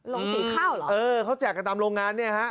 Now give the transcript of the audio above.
โรงสีข้าวเหรอเออเขาแจกกันตามโรงงานเนี่ยฮะ